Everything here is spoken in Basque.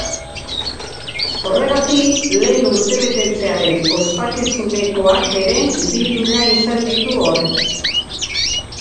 Horregatik, lehen urtebetetzearen ospakizunekoak ere bildu nahi izan ditu hor.